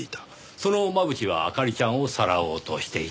その真渕は明里ちゃんをさらおうとしていた。